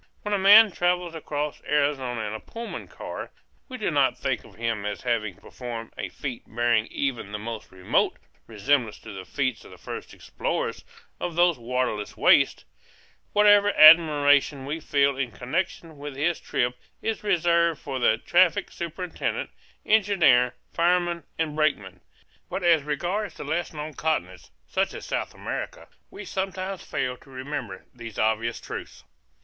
When a man travels across Arizona in a Pullman car, we do not think of him as having performed a feat bearing even the most remote resemblance to the feats of the first explorers of those waterless wastes; whatever admiration we feel in connection with his trip is reserved for the traffic superintendent, engineer, fireman, and brakeman. But as regards the less known continents, such as South America, we sometimes fail to remember these obvious truths.